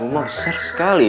rumor ser sekali ya